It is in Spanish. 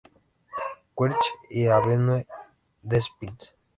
Cuthbert y la Avenue des Pins.